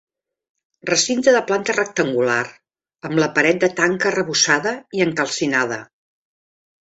Recinte de planta rectangular, amb la paret de tanca arrebossada i encalcinada.